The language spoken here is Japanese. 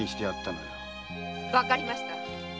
わかりました。